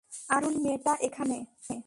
আরুল, মেয়েটা এখানে।